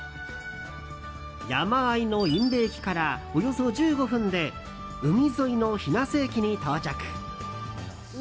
山あいの伊部駅からおよそ１５分で海沿いの日生駅に到着。